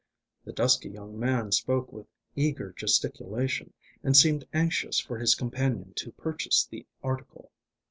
The dusky young man spoke with eager gesticulation, and seemed anxious for his companion to purchase the article.